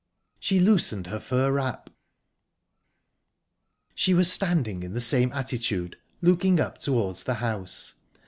She loosened her fur wrap. She was standing in the same attitude looking up towards the house.